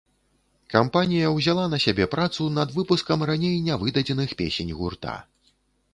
Кампанія ўзяла на сябе працу над выпускам раней нявыдадзеных песень гурта.